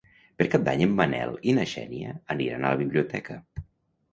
Per Cap d'Any en Manel i na Xènia aniran a la biblioteca.